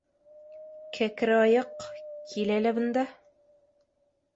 — Кәкре аяҡ, кил әле бында.